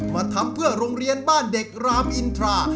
มาทำเพื่อโรงเรียนบ้านเด็กรามอินทรา